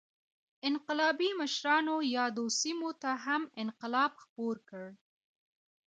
انقلابي مشرانو یادو سیمو ته هم انقلاب خپور کړ.